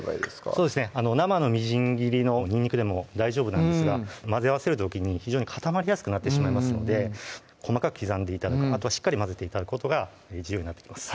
そうですね生のみじん切りのにんにくでも大丈夫なんですが混ぜ合わせる時に固まりやすくなってしまいますので細かく刻んで頂くあとはしっかり混ぜて頂くことが重要になってきます